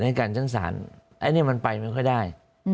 ให้การชั้นศาลอันนี้มันไปไม่ค่อยได้